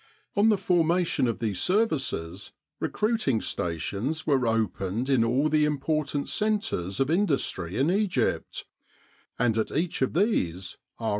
On the formation of these services, recruiting 296 The Egyptian Labour Corps stations were opened in all the important centres of industry in Egypt, and at each of these, R.